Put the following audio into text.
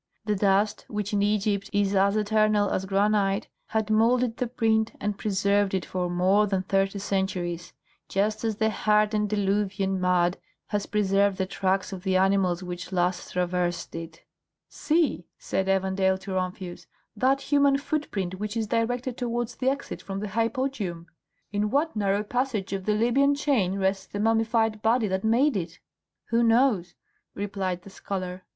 The dust, which in Egypt is as eternal as granite, had moulded the print and preserved it for more than thirty centuries, just as the hardened diluvian mud has preserved the tracks of the animals which last traversed it. "See," said Evandale to Rumphius, "that human footprint which is directed towards the exit from the hypogeum! In what narrow passage of the Libyan chain rests the mummified body that made it?" "Who knows?" replied the scholar.